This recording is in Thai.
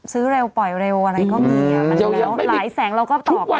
ซื้อเร็วปล่อยเร็วอะไรก็มีอ่ะแล้วหลายแสงเราก็ต่อกัน